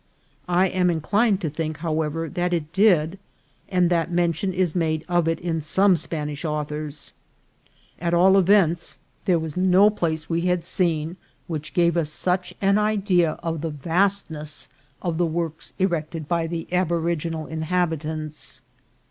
I am inclined to think, however, that it did, and that mention is made of it in some Spanish authors. At all events, there was no place we had seen which gave us 262 INCIDENTS OF TRAVEL. such an idea of the vastness of the works erected by the aboriginal inhabitants.